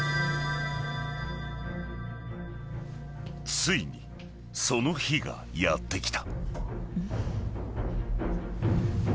［ついにその日がやってきた］